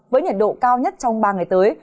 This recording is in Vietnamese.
với nhiệt độ cao nhất trong ba ngày tới